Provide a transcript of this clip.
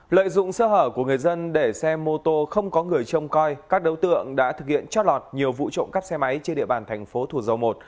lợi dụng sơ hở của người dân để xe mô tô không có người trông coi các đấu tượng đã thực hiện chót lọt nhiều vụ trộm cắt xe máy trên địa bàn thành phố thủ dâu i